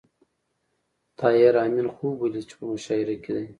طاهر آمین خوب ولید چې په مشاعره کې دی